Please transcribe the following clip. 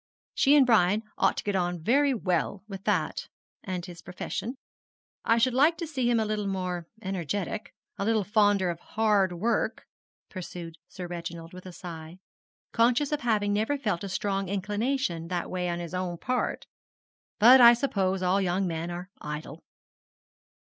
She and Brian ought to get on very well with that, and his profession. I should like to see him a little more energetic a little fonder of hard work,' pursued Sir Reginald, with a sigh, conscious of having never felt a strong inclination that way on his own part; 'but I suppose all young men are idle.'